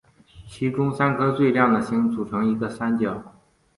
其中三颗最亮的星组成一个三角。